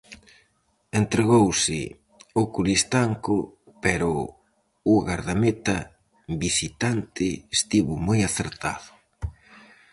Entregouse o Coristanco pero o gardameta visitante estivo moi acertado.